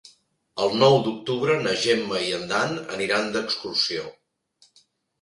El nou d'octubre na Gemma i en Dan aniran d'excursió.